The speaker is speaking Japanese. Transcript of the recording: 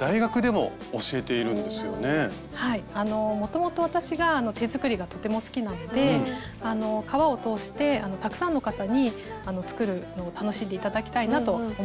もともと私が手作りがとても好きなので革を通してたくさんの方に作るのを楽しんで頂きたいなと思っています。